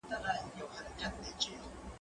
زه اوس کتابتوننۍ سره وخت تېرووم؟!